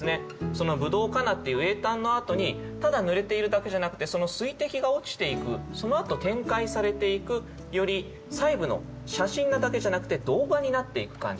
その「葡萄かな」っていう詠嘆のあとにただぬれているだけじゃなくてその水滴が落ちていくそのあと展開されていくより細部の写真なだけじゃなくて動画になっていく感じ。